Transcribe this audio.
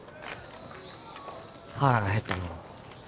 腹が減ったのう。